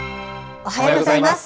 おはようございます。